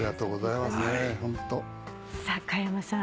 さあ加山さん